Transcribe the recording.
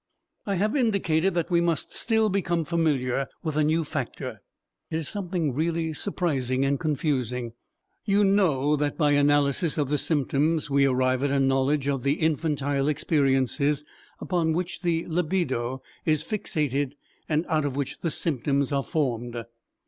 I have indicated that we must still become familiar with a new factor. It is something really surprising and confusing. You know that by analysis of the symptoms we arrive at a knowledge of the infantile experiences upon which the libido is fixated and out of which the symptoms are formed.